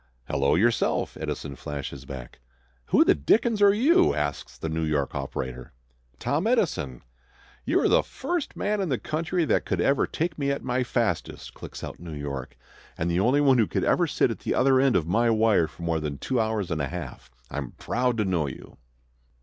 "Hello yourself!" Edison flashes back. "Who the dickens are you?" asks the New York operator. "Tom Edison." "You are the first man in the country, that could ever take me at my fastest," clicks out New York, "and the only one who could ever sit at the other end of my wire for more than two hours and a half. I'm proud to know you."